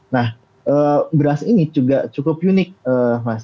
nah beras ini juga cukup unik mas